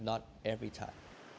khô khan hơn